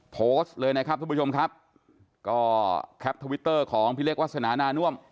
โพสต์เลยนะครับทุกผู้ชมครับก็แคปทวิตเตอร์ของพี่เล็กวาสนานาน่วม